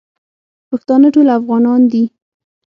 پښتانه ټول افغانان دی.